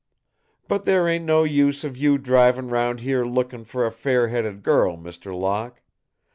But there ain't no use of you drivin' 'round here lookin' for a fair headed girl, Mr. Locke.